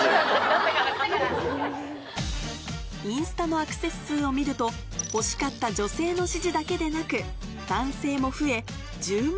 インスタのアクセス数を見ると欲しかった女性の支持だけでなく男性も増え１０万